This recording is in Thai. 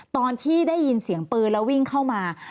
ตอนที่ได้ยินเสียงปืนแล้ววิ่งเข้ามา